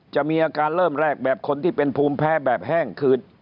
จะมีอาการเริ่มแรกแบบคนที่เป็นภูมิแพ้แบบแห้งคือ